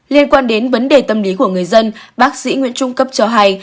liên quan đến vấn đề tâm lý của người dân bác sĩ nguyễn trung cấp cho hay